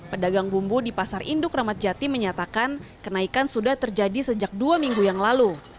pedagang bumbu di pasar induk ramadjati menyatakan kenaikan sudah terjadi sejak dua minggu yang lalu